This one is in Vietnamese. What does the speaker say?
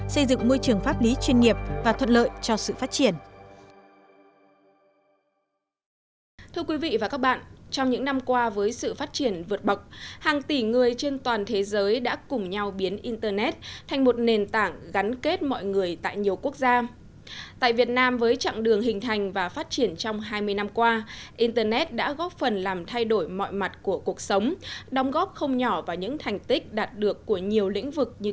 xây dựng môi trường pháp lý chuyên nghiệp và thuận lợi cho sự phát triển